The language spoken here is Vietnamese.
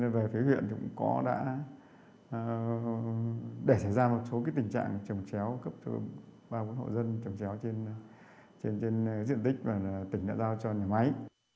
về phía huyện thì cũng có đã để xảy ra một số tình trạng trồng chéo cấp cho ba mươi hộ dân trồng chéo trên diện tích mà tỉnh đã giao cho nhà máy